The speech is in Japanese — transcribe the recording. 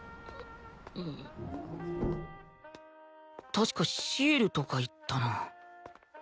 確か『シエル』とかいったな